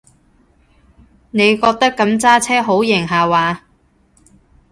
你覺得噉揸車好型下話？